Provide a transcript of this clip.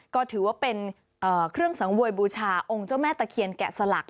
ก็ถือว่าเป็นเครื่องสังเวยบูชาองค์เจ้าแม่ตะเคียนแกะสลัก